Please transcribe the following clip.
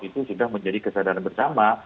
itu sudah menjadi kesadaran bersama